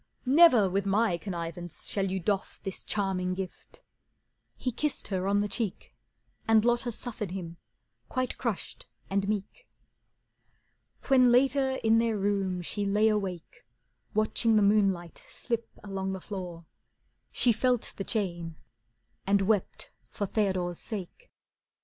"Never with my connivance shall you doff This charming gift." He kissed her on the cheek, And Lotta suffered him, quite crushed and meek. When later in their room she lay awake, Watching the moonlight slip along the floor, She felt the chain and wept for Theodore's sake.